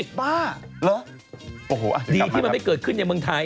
บ้าเหรอโอ้โหอ่ะดีที่มันไม่เกิดขึ้นในเมืองไทย